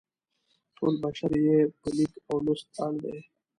ټول بشر یې په لیک او لوست اړ دی.